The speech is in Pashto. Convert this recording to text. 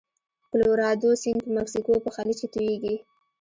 کلورادو سیند په مکسیکو په خلیج کې تویږي.